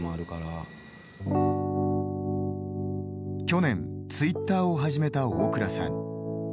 去年、ツイッターを始めた大倉さん。